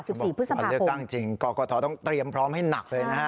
สิบสี่พฤศพภพวะคุมวันเลือกตั้งจริงเกาะเกาะโทรต้องเตรียมพร้อมให้หนักเลยนะ